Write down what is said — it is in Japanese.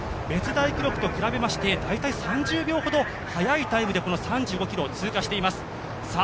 別大記録と比べまして３０秒ほど速いタイムでこの３５ｋｍを通過しています。